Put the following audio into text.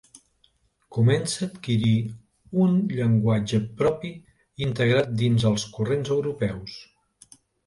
Comença adquirir un llenguatge propi integrat dins els corrents europeus.